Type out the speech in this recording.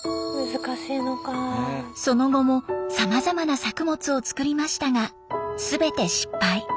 その後もさまざまな作物を作りましたが全て失敗。